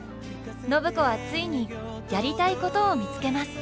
暢子はついにやりたいことを見つけます。